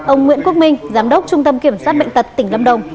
ông nguyễn quốc minh giám đốc trung tâm kiểm soát bệnh tật tỉnh lâm đồng